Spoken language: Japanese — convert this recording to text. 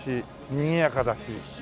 にぎやかだし。